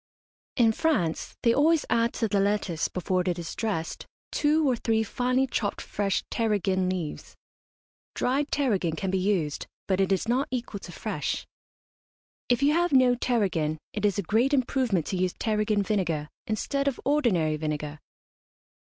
In France they always add to the lettuce, before it is dressed, two or three finely chopped fresh tarragon leaves. Dried tarragon can be used, but it is not equal to fresh. If you have no tarragon it is a great improvement to use tarragon vinegar instead of ordinary vinegar.